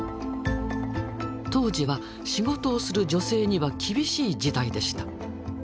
当時は仕事をする女性には厳しい時代でした。